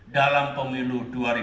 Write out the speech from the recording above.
dalam pemilu dua ribu empat belas